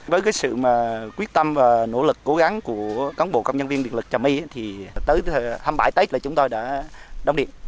với cái sự quyết tâm và nỗ lực cố gắng của cán bộ công nhân viên điện lực trà my thì tới tháng hai mươi bảy tết là chúng ta đã đóng điện